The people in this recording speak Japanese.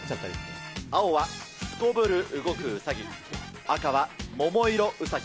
青はすこぶる動くウサギ、赤は桃色ウサヒ。